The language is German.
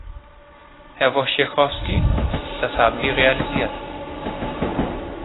Herr Wojciechowski, das haben wir realisiert.